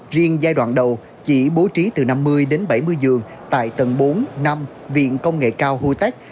riêng giai đoạn đầu chỉ bố trí từ năm mươi đến bảy mươi giường tại tầng bốn năm viện công nghệ cao huatech